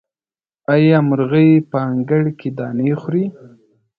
آیا مرغۍ په انګړ کې دانې خوري؟